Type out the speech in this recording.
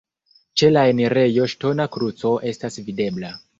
Ĉe la enirejo ŝtona kruco estas videbla.